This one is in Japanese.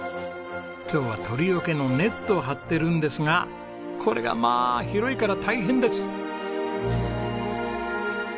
今日は鳥よけのネットを張ってるんですがこれがまあ広いから大変です！